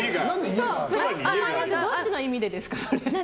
どっちの意味でですか？